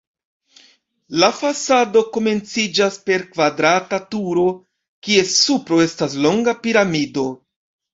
La fasado komenciĝas per kvadrata turo, kies supro estas longa piramido.